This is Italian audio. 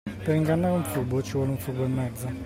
Per ingannare un furbo, ci vuole un furbo e mezzo.